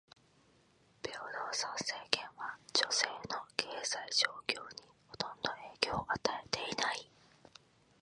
平等参政権は女性の経済状況にほとんど影響を与えていない。